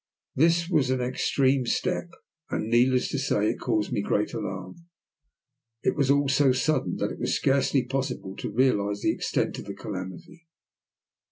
This was an extreme step, and, needless to say, it caused me great alarm. It was all so sudden that it was scarcely possible to realize the extent of the calamity.